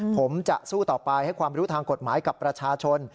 ผมจะสู้ต่อไปให้ความรู้ทางกฎหมายกับประชาชน